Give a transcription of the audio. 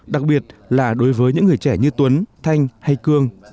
đặc biệt là đối với những người trẻ như tuấn thanh hay cương